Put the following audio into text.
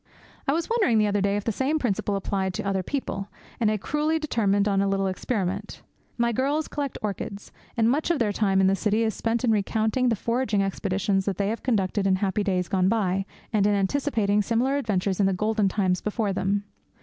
I was wondering the other day if the same principle applied to other people, and I cruelly determined on a little experiment. My girls collect orchids, and much of their time in the city is spent in recounting the foraging expeditions that they have conducted in happy days gone by, and in anticipating similar adventures in the golden times before them.